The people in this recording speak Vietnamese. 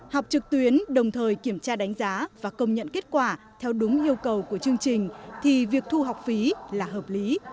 học trực tuyến đồng thời kiểm tra đánh giá và công nhận kết quả theo đúng yêu cầu của chương trình thì việc thu học phí là hợp lý